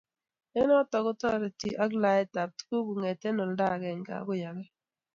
eng' notok ko tareti eng' laet ab tuguk kongetee olda agenge akoi age